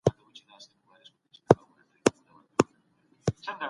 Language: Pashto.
هغه کسان چې د روغتیا په اړه مجلې لولي، ډېر معلومات لري.